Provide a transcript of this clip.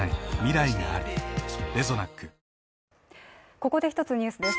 ここで１つニュースです。